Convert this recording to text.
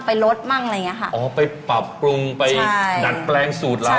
อ้อไปนัดปรับปรุง